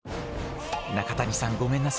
中谷さんごめんなさい。